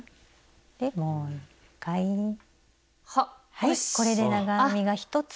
はいこれで長編みが１つ。